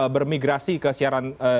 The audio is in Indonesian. bermigrasi ke siaran